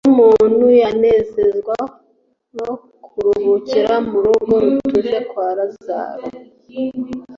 bw'umuntu yanezezwaga no kuruhukira mu rugo rutuje kwa Lazaro,